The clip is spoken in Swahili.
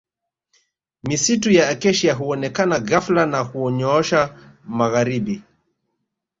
Misitu ya Acacia huonekana ghafla na hunyoosha magharibi